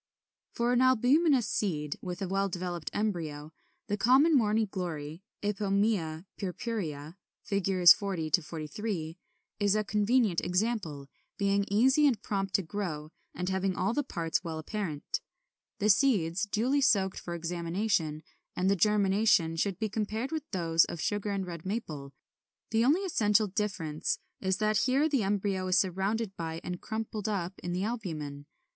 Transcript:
] 33. For an albuminous seed with a well developed embryo, the common Morning Glory (Ipomœa purpurea, Fig. 40 43) is a convenient example, being easy and prompt to grow, and having all the parts well apparent. The seeds (duly soaked for examination) and the germination should be compared with those of Sugar and Red Maple (19 21). The only essential difference is that here the embryo is surrounded by and crumpled up in the albumen.